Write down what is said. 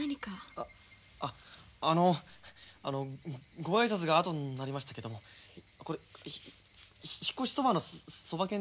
あっあっあのあのご挨拶が後になりましたけどこれ引っ越しそばのそば券です。